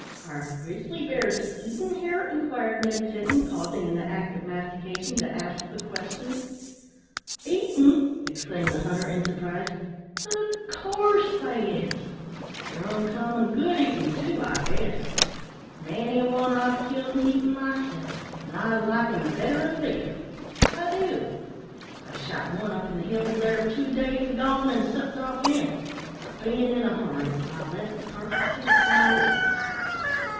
"Are grizzly bears eaten here?" inquired Ned Sinton, pausing in the act of mastication, to ask the question. "Eaten!" exclaimed the hunter, in surprise, "in coorse they is. They're uncommon good eatin' too, I guess. Many a one I've killed an' eaten myself; an' I like 'em better than beef I do. I shot one up in the hills there two days agone, an' supped off him; but bein' in a hurry, I left the carcase to the coyotes."